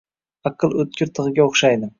Aql o‘tkir tig‘ga o‘xshaydi.